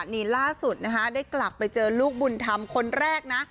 นี่ล่าสุดนะคะได้กลับไปเจอลูกบุญธรรมคนแรกนะ